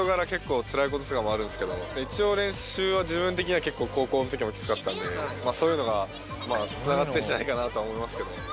一応練習は自分的には結構高校の時もきつかったんでそういうのが繋がってるんじゃないかなとは思いますけど。